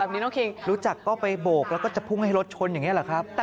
น้องคิงรู้จักก็ไปโบกแล้วก็จะพุ่งให้รถชนอย่างนี้หรอครับ